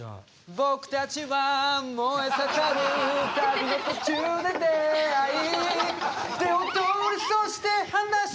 「僕たちは燃え盛る旅の途中で出会い」「手を取りそして離した」